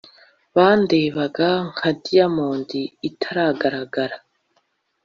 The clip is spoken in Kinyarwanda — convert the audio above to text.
bandebaga nka diamond itaragaragara